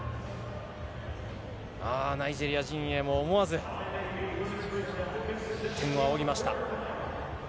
ナイジェリア陣営も思わず天を仰ぎました。